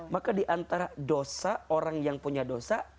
maka diantara dosa orang yang punya dosa